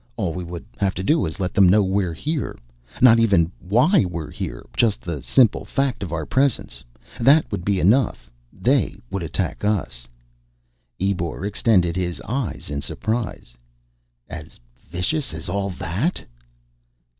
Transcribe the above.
All we would have to do is let them know we're here. Not even why we're here, just the simple fact of our presence. That would be enough. They would attack us." Ebor extended his eyes in surprise. "As vicious as all that?"